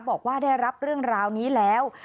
บอกว่าได้รับเรื่องราวนี้แล้ว